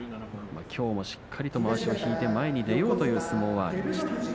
しっかりとまわしを引いて前に出ようという相撲がありました。